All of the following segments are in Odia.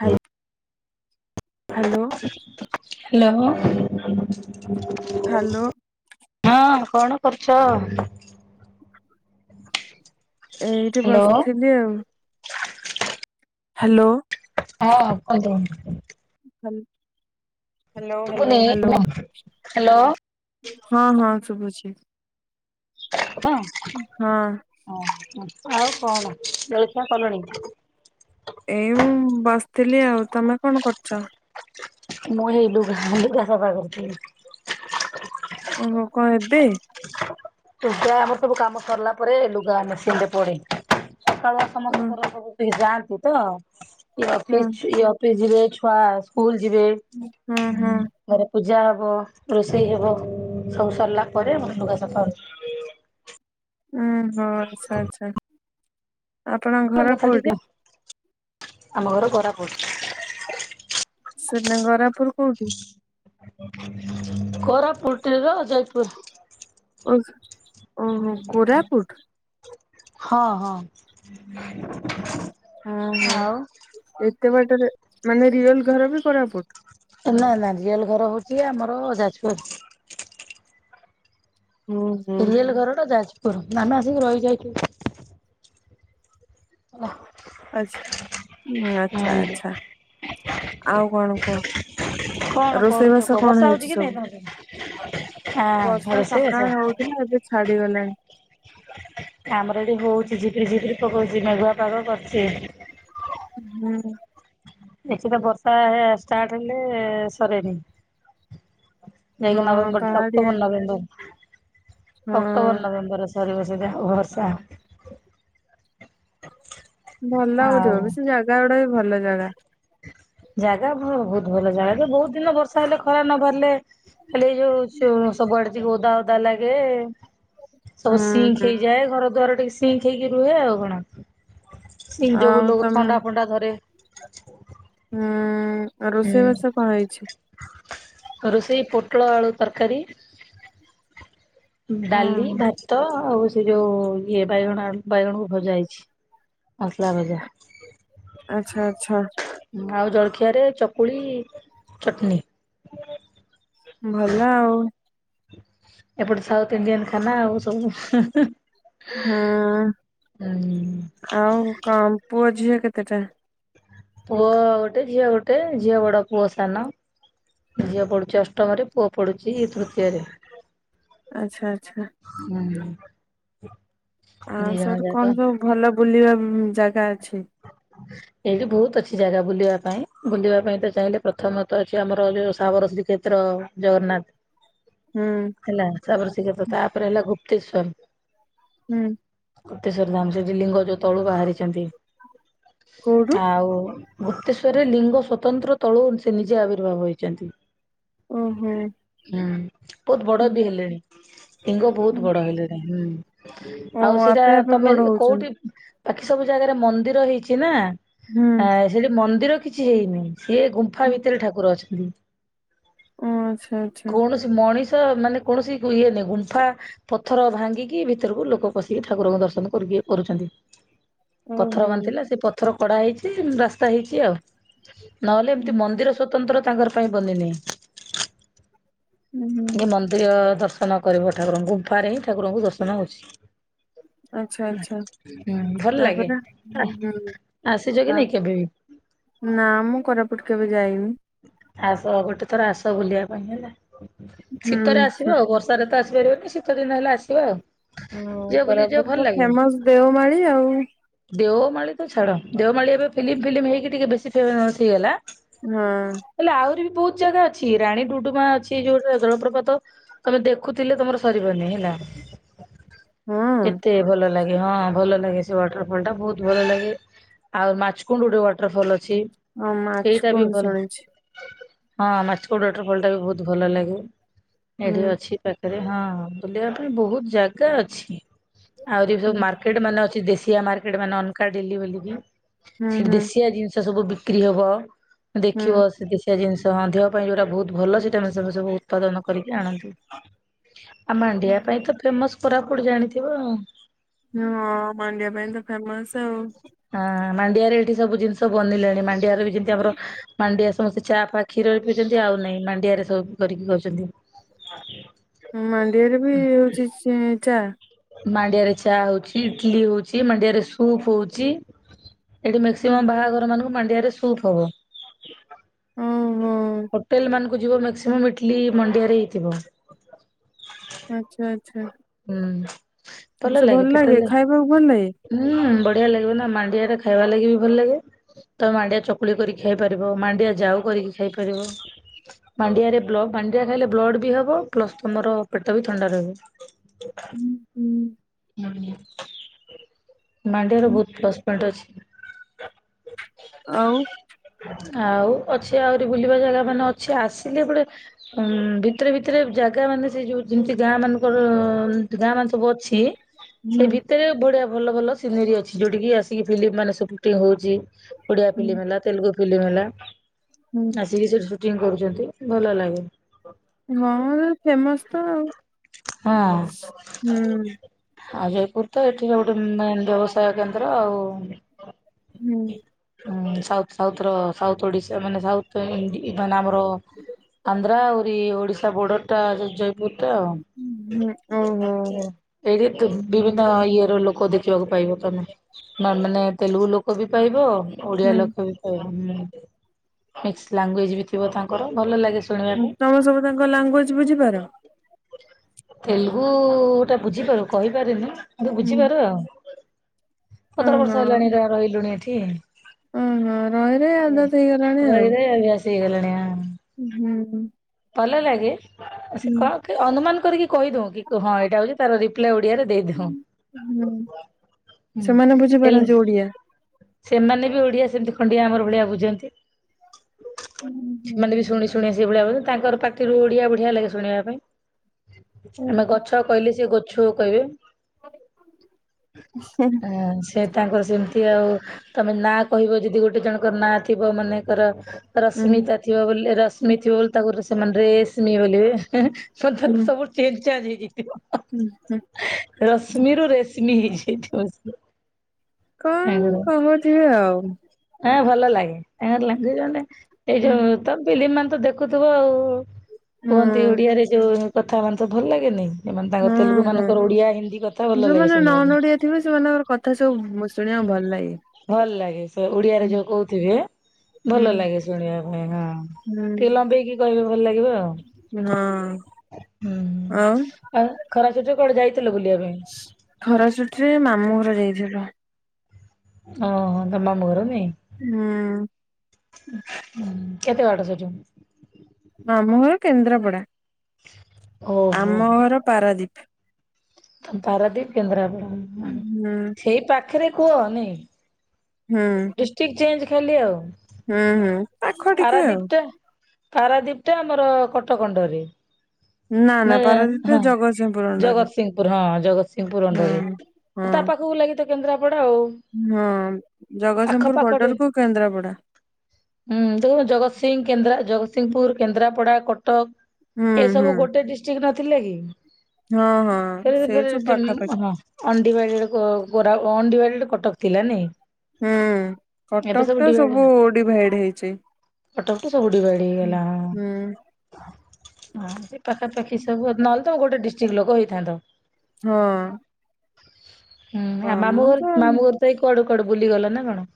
ହାଲୋ। ହାଲୋ। Hello hello. ହଁ କଣ କରୁଛ? [inaudible] ଏଇଠି ହ୍ୟାଲୋ ବସିଥିଲି ଆଉ। ହାଲୋ। ହଁ କଦ ହାଲ୍ ହାଲୋ ହାଲୋ ଶୁଭୁନି ହାଲୋ ହ୍ୟାଲୋ ହଁ ହଁ ହଁ ଶୁବୁଛି। ହଁ ହଁ। ହ। ଆଉ କଣ ଜଳଖିଆ କଲଣି? ଏଇ ବସିଥିଲି ଆଉ ତମେ କଣ କରୁଛ? ମୁଁ ହେଇ ଲୁଗା ଲୁଗା ସଫା କରୁଥିଲି। ଓହୋ କଣ ଏବେ? ଲୁଗା ଆମର ସବୁ କାମ ସରିଲା ପରେ ଲୁଗା ମେସିନରେ ପଡିଥାଏ। ସକାଳୁଆ ଓ ସମସ୍ତଙ୍କର ସବୁ କେହି ଯ ସେତ କିଏ ହଁ ଅଫିସ୍ ଛୁଏ ଅଫିସ୍। [unintelligible] ଛୁଆ ସ୍କୁଲ ଯିବେ ହଁ ହଁ ଘରେ ପୂଜା ହବ। ବ ରୋଷେଇ ହେବ ସବୁ ସରିଲା ପରେ ଆମର ଲୁଗା ସଫା ହୁଏ। ଉଁ ହଁ ଆଚ୍ଛା ଆଛା। ଆପଣଙ୍କ ଘର କଥା ଟିକେ କୋଉଠି? ଆମ ଘର କୋରାପୁଟ। ସିନେ ଘର ର କୋଉଠି? କୋରାପୁଟର ଜୟପୁର। [inaudible] ଓହୋ କୋରାପୁଟ। ହଁ ହଁ। [inaudible] ହଁ ହଁ ଆଉ ଏତେ ବାଟରେ ମାନେ ରିଅଲ ଘର ବି କୋରାପୁଟ? ରିଏଲ ଘର ହଉଛି ଆମର ଯାଜପୁର। ହୁଁ ହୁଁ ରିଏଲ ଘର ଟା ଯାଜ ପୁର ନା ମ ଆସିକି ରହିଯାଇଛୁ। ନା। ଆଚ୍ଛା ହୁଁ ଆଚ୍ଛା ଆଚ୍ଛା। ଆଉ କଣ କୁହ କଣ କରୁଛ ରୋଷେଇବାସ କୁହ ବର୍ଷା କଣ ହଉଛି ହେଇଛି କି ନାଇଁ ସବୁ ତମ ସେଠି [inaudible] ହଁ ବର୍ଷା ରୋଷେଇବାସ ସକାଳ ହଉଥିଲା ଏବେ ଛାଡିଗଲାଣି। ଆମର ଏଠି ହଉଛି ଝିପି ଝିପି। ପକଉଛି ମେଘୁଆ ପାଗ କରିଛି। ହୁଁମ୍। ଏଠି ତ ବର୍ଷା ଷ୍ଟାର୍ଟ ହେଲେ ସରେନି। [inaudible] ଏକ ହଁ ନଭେମ୍ବର ପାହାଡିଆ ଅକ୍ଟୋବର ନଭେମ୍ବର। ଅକ୍ଟୋବର ହଁ ନଭେମ୍ବର। [unintelligible] ଭଲ ଆଉ ହଉଥିବ ସେ ଜାଗା ଗୁଡ଼ା ବି ଭଲ ଜାଗା। ଜାଗା ଭ ବହୁତ ଭଲ ଜାଣ ଯେ ବହୁତ ଦିନ ବର୍ଷା ହେଲେ ଖରା ନ ବାହାରିଲେ ଖାଲି ଏଇ ଯୋଉ ଯୋଉ ସବୁଆଡ଼େ ଟିକେ ଓଦା ଓଦା ଲାଗେ ହୁଁ ସବୁ ଶିଙ୍କ୍‌ ହୁଁ ହେଇଯାଏ ଘର ଦ୍ୱାର ଟିସ୍‌ ସିଙ୍କ୍‌ ହେଇକି ରୁହେ ଆଉ କଣ। ସିଙ୍କ୍‌ ଆଉ ଯୋଗୁଁଲୁ ତମ ଥଣ୍ଡା ଫଣ୍ଡା ଧରେ ହୁଁ। ଆଉ ରୋଷେଇବାସ କଣ ହେଇଛି? ରୁଷେଇ ପୋଟଳ ଆଳୁ ତରକାରୀ ଡାଲି ହଁ। ଭାତ ଆଉ ସେ ଯୋଉ ଇଏ ବାଇଗଣ ବାଇଗଣକୁ ଭଜା ହେଇଛି। ମସଲା ଭଜା [inaudible] ଆଚ୍ଛା ଆଚ୍ଛା । ଆଉ ଜଳଖିଆରେ ଚକୁଳି ଚଟନୀ। [inaudible] ଭଲ ଆଉ । ଏପଟେ ସାଉଥ୍ ଇଣ୍ଡିଆନ୍‌ ଖାନା ଆଉ ସବୁ [inaudible] ହୁଁ ହୁଁ। ଆଉ କଣ ପୁଅ ଝିଏ କେତେଟା? ପୁଅ ଗୋଟେ ଝିଅ ଗୋଟେ ଝିଅ ବଡ଼ ପୁଅ ସାନ ଝିଅ ପଢୁଚି ଅଷ୍ଟମରେ ପୁଅ ପଢୁଚି ତୃତୀୟରେ। ଆଚ୍ଛା ଆଚ୍ଛା। ହୁଁ ଦି ଆଉ ଜଣ ସେପଟେ ଯାକ। କଣ ସବୁ ଭଲ ବୁଲିବା ଉଁ ଜାଗା ଅଛି? ଏଇଠି ବୋହୁତ ଅଛି ଜାଗା ବୁଲିବା ପାଇଁ ବୁଲିବା ପାଇଁ ତ ଚାହିଁଲେ ପ୍ରଥମତଃ ଅଛି ଆମର ଯୋଉ ସାବରଶ୍ରୀ କ୍ଷେତ୍ର ହୁଁ ଜଗନ୍ନାଥ। ହେଲା ତାପରେ [inaudible] ତାପରେ ହେଲା ଗୁପ ତିଶ ହୁଁ। ଗୁପ୍ତେଶ୍ୱର ଧାମ ସେଠି ଲିଙ୍ଗ ଯୋଉ ତଳୁ ବାହାରିଚନ୍ତି। କୋଉଠୁ ଆଉ ଗୁପ୍ତେଶ୍ଵରରେ ଲିଙ୍ଗ ସ୍ୱତନ୍ତ୍ର ତଳୁ ସେ ନିଜେ ଆବିର୍ଭାବ ହେଇଚନ୍ତି। ଓ ହୋ। ବୋହୁତ ବଡ଼ ବି ହେଲେଣି। ଲିଙ୍ଗ ହୁଁ। ବୋହୁତ ବଡ ହେଲେଣି ହୁଁ ଓ ଆଉ ସେଇଟା ଆପେ ଆପେ ତମେ ବଡ ହଉଛନ୍ତି କୋଉଠି ବାକି ସବୁ ଜାଗାରେ ମନ୍ଦି ରହିଚି ନା ଆ ସେଠି ମନ୍ଦିର କିଛି ହେଇନାହିଁ। ସିଏ ଗୁମ୍ଫା ହୁଁ। ଭିତରେ ଠାକୁର ଅଛ [unintelligible] ଓ ଆଚ୍ଛା ଆଚ୍ଛା କୌଣସି ମଣିଷ ଭକ୍ତ ମାନେ କୌଣସି ଇଏ ନାହିଁ ଗୁମ୍ଫା ପଥର ଭାଙ୍ଗିକି ଭିତରକୁ ଲୋକ ପଶିକି ଠାକୁରଙ୍କୁ ଦର୍ଶନ କରିକି କରୁଚନ୍ତି। ପଥର ଓହୋ ବାନ୍ଧିଥିଲା ସେ ପଥର ତଡା ହେଇଚି ରାସ୍ତା ହେଇଚି ଆଉ। ନହେଲେ ଏମିତି ହୁଁ ମନ୍ଦିର ସ୍ୱତନ୍ତ୍ର ତାଙ୍କର ପାଇଁ ବନିନି। ହୁଁ ଏ ମନ୍ଦିର ଦର୍ଶ ନ କରିବ ଠାକୁରଙ୍କୁ ଗୁମ୍ଫାରେ ହିଁ ଠାକୁରଙ୍କୁ ଦର୍ଶନ ହୋଉଚି। ଆଚ୍ଛା ଆଚ୍ଛା ଭଲ ଲାଗେ ତାପରେ ହୁଁ ହୁଁ ଆସିଛ କି ହଁ ନାଇଁ କେବେ ବି? ନା ମୁଁ କୋରାପୁଟ କେବେ ଜାଇନି। ଆସ ଗୋଟେ ଥର ଆସ ବୁଲିବା ପାଇଁ ହେଲା। ହୁଁ ଶୀତରେ ଆସିବ ଆଉ ବର୍ଷାରେ ତ ଆସି ବନି ଶୀତ ଦିନ ହେଲେ ଆସିବ ଆଉ। ଓ ଯିବ ବୁଲିକି ଯିବ କୋରାପୁଟ ଭଲ ତ ଲାଗିବ। ଫେମସ ଦେଓମାଳି ଆଉ। ଦେଓମାଳି ତ ଛାଡ ଦେଓମାଳି ଏବେ ଫିଲ୍ମ ଫିଲ୍ମ ହେକିିକେ ବେଶୀ ଫେମସ ହେଇଗଲା ହଁ ହେଲେ ଆହୁରି ବି ବହୁତ ବହୁ ଜାଗା ଅଛି ରାଣୀ ଡୁଡୁମା ଅଛି ଯୋଉଟା ଜଳପ୍ରପାତ ତମେ ଦେଖୁଥିଲେ ତମର ସରିବନି ହେଲା। ହଁ ଏତେ ଭଲ ଲାଗେ ହଁ ଭଲ ଲାଗେ ସେ ୱାଟରଫଲ ଟା ବହୁତ ଭଲ ଲାଗେ ଆଉ ମାଛକୁଣ୍ଡ ଗୋଟେ ୱାଟରଫଲ ଅ ହଁ ମାଛକୁଣ୍ଡ ଶୁଣିଛି। ହଁ ମାଛକୁଣ୍ଡର ୱାଟରଫଲଟା ବି ବହୁତ ଭଲ ଲାଗେ। ହୁଁ ଏଇଠି ଅଛି ପା ରେ ହଁ ବୁଲିବା ପାଇଁ ବହୁତ ଜାଗା ଅଛି। ଆହୁରି ହୁଁ ସବୁ ମାର୍କେଟ ମାନେ ଅଛି ଦେ ସିଆ ମାର୍କେଟ ମାନେ [unintelligible] ହୁଁ ସେଠି ହୁଁ ଦେଶୀଆ ଜିନିଷ ସବୁ ବି କ୍ରି ହବ। ହୁଁ ଦେଖିବ ସେ ଦି ସେଆ ଜିନିଷ ତ ଦେହ ପାଇଁ ଯୋଉଟା ବହୁତ ଭଲ ସେଟମେ ସେବ ସବୁ ଉତ୍ପାଦନ କରିକି ଆଣନ୍ତୁ। ଆ ମାଣ୍ଡିଆ ହୁଁ। ପାଇଁ ତ ଫେମସ। କୋରାପୁଟ ଜାଣିଥିବ। ହଁ ମାଣ୍ଡିଆ ପାଇଁନ ତ ଫେମସ। ହଁ। ହଁ ମାଣ୍ଡିଆରେ ବି ତ ସବୁ ଜିନିଷ ବନିଲେଣି ମାନ୍ ଡିଆରେ ବି ଜେନ୍ତି ଆମର ମାଣ୍ଡିଆ ସମସ୍ତେ ଚା ଫା କ୍ଷୀରରେ ପିଇଉଛନ୍ତି ଆଉ ନାଇଁ ମାଣ୍ଡିଆରେ ସବୁ କରିକି ବଇଛନ୍ତି। ମାଣ୍ଡିଆରେ ବି ହଉଛି ସେ ଚା। ମାଣ୍ଡିଆ ରେ ଚା ହଉଛି ଇଟଲି ହଉଛି ମାଣ୍ଡିଆରେ ସୁପ୍ ହଉଛି। ଏଠି ମକ୍ସିମମ୍ ବାହାଘର ମାନଙ୍କୁ ମାନ୍ ଦେହରେ ଶୁଟ୍ ହବ। ଓହୋ ହୋଟେଲ ମାନ ଯ ମକ୍ସିମମ ଇଟଲି ମଣ୍ଡିଆରେ ହେଇଥିବ। ଆଛା ଆଚ୍ଛା। ହୁଁ। ଭଲ ସେ ଲାଗେ ଭଲଲାଗେ ଖାଇବାକୁ ଭଲଲାଗେ? ଭଲଲାଗିବ ନା ମାଣ୍ଡିଆରେ ଖାଇବା ଲାଗି ବି ଭଲଲାଗେ ତମେ ମାଣ୍ଡିଆ ଚକୁଳି କରିକି ଖାଇପାରିବ ମାଣ୍ଡିଆ ଯାଉ କରିକି ଖାଇପାରିବ ମାଣ୍ଡିଆରେ ବ୍ଲ ମାଣ୍ଡିଆ ଖାଇଲେ ବ୍ଲଡ଼ ବି ହବ ପ୍ଲସ ତମର ପେଟ ବି ଥଣ୍ଡା ରହିବ। [inaudible] ଉହୁଁ। ମାଣ୍ଡିଆ ମାଣ୍ଡିଆର ହୁଁ, ବୋହୁତ ପ୍ଲସ ପଏଣ୍ଟ ଅଛି। ଆଉ ଆଉ ଅଛି ଆହୁରି ବୁଲିବା ଜାଗାମାନେ ଅଛି ଆସିଲେ ଏପଟେ ଉଁ ଭିତରେ ଭିତରେ ଜାଗାମାନେ ସେ ଯୋଉ ଯେମିତି ଗାଁ ମାନଙ୍କୁ ଅ ଗାଁ ମନ ସବୁ ଅଛି। ଛି ସେ ହୁଁ ଭିତରେ ବଢିଆ ଭଲ ଭଲ ସିନେରୀ ଅ ଯୋଉଠିକି ଆସିକି ଫିଲିମ୍ ମାନେ ସୁଟିଂ ହୋଉଚି। ଓଡିଆ ହୁଁ ଫିଲିମ୍ ହେଲା ତେଲଗୁ ଫିଲିମ ହେଲା ହୁଁ ଆସିକି ସେଠି ସୁ ଟିଙ୍ଗ୍ କରୁଚନ୍ତି ଭଲ ଲାଗେ। ଗହଣା ଫେମସ ତ ଆଉ। ହଁ। ହୁଁ ଆଉ ଜୟପୁର ତ ଏଠିରେ ଗୋଟେ ମେନ୍ ବ୍ୟବସାୟ କେନ୍ଦ୍ର ଆଉ ହୁଁ। ସାଉଥ ସାଉଥର ସାଉଥ ଓଡିଶା ମାନେ ସାଉଥ ଇଣ୍ଡି ଇଣ୍ଡିଆନ ଆମ ଅ ଆନ୍ଧ୍ରା ଆଉ ଏଇ ଓଡିଶା ବୋର୍ଡରଟା ଯୋଉ ଜୟେ ବିଟା ଆଉ। ହୁଁ ଓହୋ ଏଇଠି ବି-ବିଭିନ୍ନ ଇଏର ଲୋ ଲୋକ ଦେଖିବାକୁ ପାଇବ ତମେ ନା ମାନେ ତେଲୁଗୁ ଲୋକ ବି ପାଇବ ଓଡିଆ ହୁଁ ଲୋକ ବି ପାଇ ହୁଁ ବେସ୍ ଲାଙ୍ଗୁଏଜ ବି ଥିବ ତାଙ୍କର ଭଲଲାଗେ ଉଁ ତମେ ସବୁ ତାଙ୍କ ଲାଙ୍ଗୁଏଜ ବୁଝିପାର? [inaudible] ତେଲୁଗୁଟା ବୁଝିପାରୁ କହିପାରେନୁ। କିନ୍ତୁ ହୁଁ ବୁଝିପାରୁ ଆଉ। ପନ୍ଦର ଓହୋ ବର୍ଷ ହେଲାଣି ର-ରହିଲୁଣି ଏଠି। କିଏ? ଓହୋ ରହି ରହି ଆଭ୍ୟାସ ହେଇଗଲାଣି ଆଉ। ହେଇଗଲଣି ଆ ଉଁହୁଁ ହୁଁ। ଭଲଲାଗେ ସେ କଣ କି ଅନୁମାନ। କରିକି କହିଦୋଉଁ କି ହଁ ଏଇଟା ହୋଉଚି ତାର ରିପ୍ଲାଏ [unintelligible] ରେ ଦେଇଦିହଁ ହୁଁ ହୁଁ ସେମାନେ ଏଇ ବୁଝିପାରନ୍ତି ଓଡିଆ? ସେମାନେ ବି ଓଡିଆ ସେମିତି ଖଣ୍ଡିଆ ଆମରି ଭଳିଆ ବୁଝନ୍ତି। ହୁଁ ହୁଁ। ଭଳିଆ ଭ ତାଙ୍କର ପାଟିରୁ ଓଡିଆ ବଢିଆ ଲାଗେ ଶୁଣିବା ପାଇଁ। ଆମେ ଓହୋ। ଗଛ କହିଲେ ସେ ଗ ଛୁ କହିବେ। ଆ ସେ ତାଙ୍କର ସେମିତି ସେ ଆଉ ତମେ ନାଁ କହିବ ଯଦି ଗୋଟେ ଜଣଙ୍କର ନାଁ ଥିବ ମନେକର ଉଁ ରଶ୍ମିତା ଥିବ ବୋଲି ରଶ୍ମି ଥିବ ବୋଲି ତାକୁ ସେମାନେ ରେଶ୍ମି ବୋଲିବେ ସ ହୁଁ ସବୁ ଚେଞ୍ଜ ଚାଞ୍ଜ ହେଇଯାଇଥିବ। ହୁଁ ହୁଁ ରଶ୍ମିରୁ ରେଶ୍ମି ହେଇଯାଇଥିବ ସ ତାଙ୍କରେ ସେ ଆଉ। ହଁ ଭଲ ଲାଗେ। ତାଙ୍କର ଲାଙ୍ଗୁଏଜ ମାନେ ଏଇ ହୁଁ ଯୋଉ ତ ପିଲି ମ ତ ଦେଖୁଥିବ ଆଉ। କୁହନ୍ତି ହୁଁ। ଓଡିଆରେ ଯୋଉ କଥା ବନ୍ତୁ ଭଲ ଲାଗେନି? ଏମାନେ ତାଙ୍କ ହୁଁ ତେଲୁଗୁ ହଁ ମାନଙ୍କର ଓଡିଆ ହିନ୍ଦୀ କଥା ଭଲ ଲାଗେ ଯୋଉମାନେ ଶୁଣିବା ନନ ପାଇଁ ଓଡିଆ ଥିବେ ସେମାନଙ୍କର କଥା ସବୁ ଶୁଣିବାକୁ ଭଲ ଲାଗେ। ଭଲ ଲାଗେ। ସେ ଓଡିଆରେ ହୁଁ ଯୋଉ କହୁଥିବେ ହୁଁ। ଭଲ ଲାଗେ ଶୁଣିବା ପାଇଁ ହଁ ଟିକେ ହୁଁ। ଲମ୍ବେଇକି କହିବେ ଭଲ ଲାଗିବ ଆଉ ହଁ ହୁଁ ଆଉ ଆଉ ଖରା ଛୋଟ କର ଯାଇ ଖରା ଛୁଟିରେ ମାମୁଁ ଯାଇଥିଲ। ଓ ହ ତମ ମାମୁ ଘର ନୁଏ? ହଁ। ହଁ କେତେ ବାଟ ସେଠୁ? ମାମୁଁ ଘର କେନ୍ଦ୍ରାପଡା। ଓହୋ ଆମ ଘର ପାରାଦୀପ। ତ ପାରାଦୀପ କେନ୍ଦ୍ରାପଡା। ଓ ହଁ ହୁଁ ସେଇ ପାଖ ପାଖରେ କୁହ ନାଇ। ହୁଁ ଡିଷ୍ଟ୍ରିକ୍ ଚେଞ୍ଜ ଖେଲେ ଆ। ହୁଁ ହୁଁ। ପାଖ ଟିକେ ଆଉ। ପାରାଦୀପ ଟା ଆମର କଟକଣ୍ଡରେ। ନା ନା ନ ପାରାଦୀପ ହଁ ଜଗତସିଂହପୁର ଅଣ୍ଡରରେ ଜଗତସିଂହପୁର ହଁ ଜଗତସିଂହପୁର ହୁଁ। ଅଣ୍ଡର ରେ ହଁ ତା ପାଖକୁ ଲାଗି ତ କେନ୍ଦ୍ରା ପଡା ଆଉ ହଁ ପାଖ ଜଗତସିଂହପୁର ବର୍ଡର ପାଖଟେ କୁ କେନ୍ଦ୍ରାପଡା ହୁଁ ଜଗତସିିଂହ କେନ୍ଦ୍ରା। ଜଗତସିଂହପୁର କେନ୍ଦ୍ରାପଡ଼ା କଟକ। ହୁଁ ହୁଁ। ଡିଷ୍ଟ୍ରିକଟ ନଥିଲେ କି। ହଁ ହଁ ସେଇଠୁ ପାଖାପାଖି [unintelligible] କଟକ ଥିଲା ନାଇଁ। ହୁଁ ଏବେ କଟକ ଟ ଡିଭାଇଡ ସବୁ ଡିଭାଇଡ ହେଇଛି କଟକଠୁ ସବୁ ଡିଭାଇଡ ହେଇଗଲା ହଁ। ହୁଁ। ହଁ ସେ ପାଖାପାଖି ସବୁ ନଲ ତ ଗୋଟେ ଡିଷ୍ଟ୍ରିକ୍ଟ ଲୋକ ହେଇଥାନ୍ତ। ହଁ। ହୁଁ ଆ ମାମୁଁ ଘର ମାମୁଁ ଘର ତ ଏଇ କଡ କୁଆଡେ ବୁଲି ଗଲ ନା କଣ?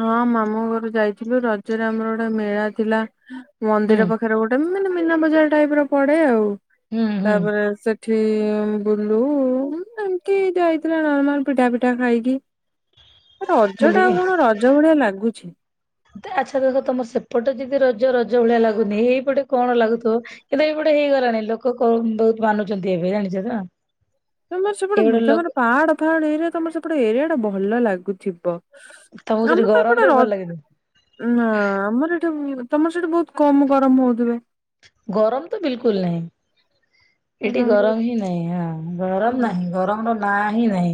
ହଁ ମାମୁଁ ଘରୁ ଯାଇଥିଲୁ ରଜରେ ଆମର ଗୋଟେ ମେଳା ଥିଲା ହୁଁ ମନ୍ଦିର ପାଖରେ ଗୋଟେମ୍ ମାନେ ମିନା ବଜାର ଟାଇପ୍ ର ପଡେ ଆଉ। ହୁଁ ହୁଁ ତାପରେ ସେଠି ଇ ବୁଲୁ ଏମିତି ଯାଇଥିଲା ନର୍ମାଲ୍ ପିଠା ଫିଠା ଖାଇକି। ରଜଟା ବୁଲିକି ଆଉ କଣ ରଜ୍ ଯଉ ଭଳିଆ ଲାଗୁଛି। ଆଚ୍ଛା ଦେଖ ତମ ସେପଟେ ଯଦି ରଜ ରଜ ଭଳିଆ ଲାଗୁନି ଏଇପଟେ କଣ ଲାଗୁଥିବ କିନ୍ତୁ ଏଇପଟେ ହେଇଗଲାଣି ଲୋକ ବହୁତ ମାନୁଛନ୍ତି ଏବେ ଜାଣିଛ ତ। ତମର ସେପଟେ ଏଇପଟେ [unintelligible] ଲୋ ତମର ପାହାଡ ପାଅଡ ଏରିଆ ତମର ସେପଟେ ଏରିଆ ଟା ବହୁ ଭଲ ଲାଗୁଥିବ। ତମକୁ ସେଠି ଆମର ତ ଗରମ ଏପଟେ ରେ ର ଭଲ ଲାଗେନି ନା ଆମର ଏଠି ତମର ସେଠି ବହୁତ୍ କମ ଗରମ ହଉଥିବେ। ଗରମ ତ ବିଲକୁଲ୍ ନହିଁ। ଏଠି ହଁ ଗରମ ହିଁ ନାହିଁଁ ହ ଗରମ୍ ନାହିଁ ଗରମର ନାଆ ଇ ନାହିଁ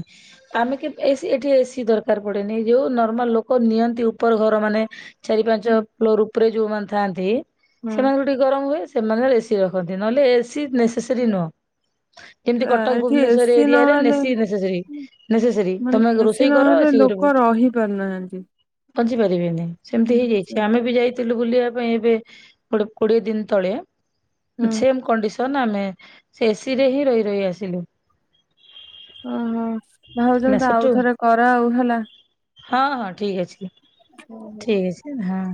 ଆମେ କି ଏ ଏଠି ଏସି ଦରକାର ପଡେନି ଯୋଉ ନର୍ମାଲ୍ ଲୋକ ନିଅନ୍ତି ଉପର୍ ଘର ମାନେ ଚାରି ପାଞ୍ଚ ଫ୍ଲୋର୍ ଉ ଉପ୍ରେ ଯୋଉମାନେ ଥାନ୍ତି ସେମାନଙ୍କୁ ଟିକ୍ ହୁଏ ସେମାନେ ଏସି ରଖନ୍ତି ନହଲେ ଏସି ନହେଲେ ଏସି ନେସେସେରି ନୁଅ। ଏମିତି କଟକ ଏଠି ଭୁବନେଶ୍ବର ଏସିି ଏରିଆରେ ନେସି ନେସେସରି ନହେଲେ ନେସେସେରି ତମେ ମାନେ ଏସି ରୋଷେଇ କର ନହେଲେ ଏସି ଘରେ ବି। ଲୋକ ରହି ପାରୁନାହାନ୍ତି। ବଞ୍ଚି ପାରିବେନି। ସେମିତି ହେଇଯାଇଛି ହୁଁ। ଆମେ ବି ଯାଇ ବୁଲିବା ପାଇଁ ଏବେ ଗୋଟେ କୋଡ଼ିଏ ଦିନ୍ ତଳେ। ହୁଁ ସେମ୍ କଣ୍ଡିସ୍ ତନ୍ ଆମେ ସେ ଏସି ରେ ହିଁ ରହି ରହି ଆସିଲୁ। ଓହୋ ଭାଉଜ ହେଲା ମତେ ଆଉ ସେଠୁ ଥରେ କର ଆଉ ହେଲା। ହଁ ହଁ ଠିକ୍ ଅଛି। ଓହୋ। ଠିକ୍ ଅଛି ହଁ।